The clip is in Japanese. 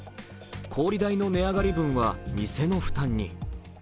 氷代の値上がり分は店の負担に。